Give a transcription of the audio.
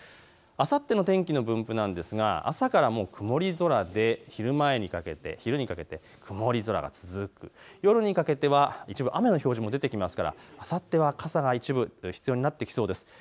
あさっての天気の分布なんですが朝から曇り空で昼前にかけても曇り空が続く、夜にかけては一部雨の表示も出てきていますから、あさっては傘が一部必要になってきそうです。